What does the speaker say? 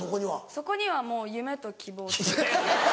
そこにはもう夢と希望と。